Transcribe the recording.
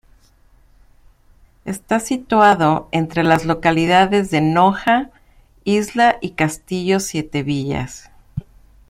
Está situado entre las localidades de Noja, Isla y Castillo Siete Villas.